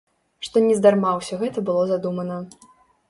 Што нездарма ўсё гэта было задумана.